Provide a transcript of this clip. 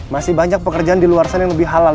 masih banyak pekerjaan di luar sana yang lebih halal